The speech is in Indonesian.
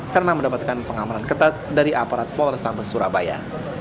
karena mendapatkan pengamaran ketat dari aparat polres tampes surabaya